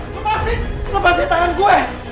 lepas tangan gue